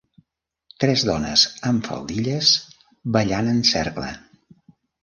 Tres dones amb faldilles, ballant en cercle.